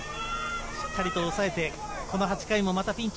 しっかりと抑えて、この８回もまたピンチ。